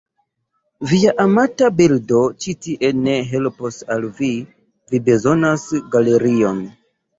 Via amata bildo ĉi tie ne helpos al vi, vi bezonas galerion.